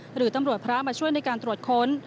หรือตำรวจพระมาช่วยในการตรวจค้น